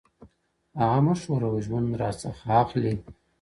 هغه مه ښوروه ژوند راڅخـه اخلي”